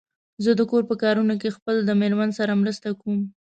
زه د کور په کارونو کې خپل د مېرمن سره مرسته کوم.